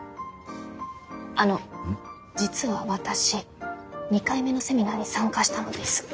あの実は私２回目のセミナーに参加したのですが。